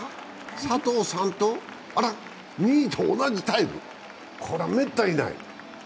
佐藤さんと、あら、２位と同じタイムこれはめったにない。